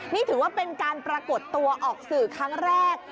นี่ถือว่าเป็นการปรากฏตัวออกสื่อครั้งแรก